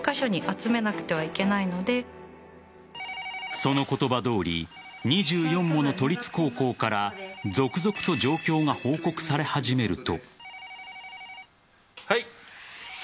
その言葉どおり２４もの都立高校から続々と状況が報告され始めると。